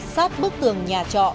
sát bức tường nhà trọ